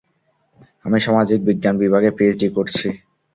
আমি সমাজিকবিজ্ঞান বিভাগে পিএইচডি করছি।